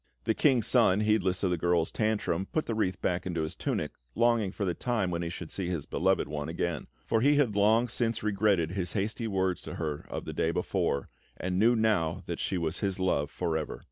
The King's Son, heedless of the girl's tantrum, put the wreath back into his tunic, longing for the time when he should see his beloved one again; for he had long since regretted his hasty words to her of the day before, and knew now that she was his love for ever.